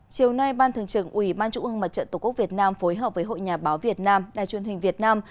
chiều nay ban thường trưởng ubnd tổ quốc việt nam phối hợp với hội nhà báo việt nam đài truyền hình việt nam